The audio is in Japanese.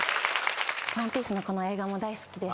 『ＯＮＥＰＩＥＣＥ』のこの映画も大好きで。